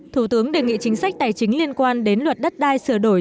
thủ tướng đề nghị chính sách tài chính liên quan đến luật đất đai sửa đổi